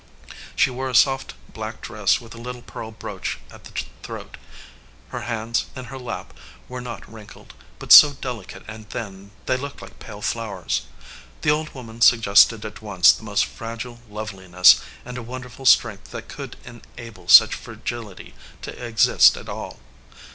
She wore a soft black dress with a little pearl brooch at the throat. Her hands, in her lap, were not wrinkled, but so deli cate and thin that they looked like pale flowers. The old woman suggested at once the most fragile loveliness and a wonderful strength that could en able such fragility to exist at all.